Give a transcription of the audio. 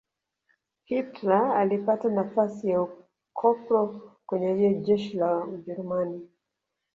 hitler alipata nafasi ya ukopro kwenye jeshi la ujerumani